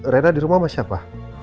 rena dirumah sama siapa